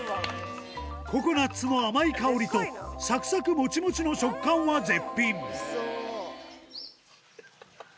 ココナッツの甘い香りと、さくさくもちもちの食感は絶品。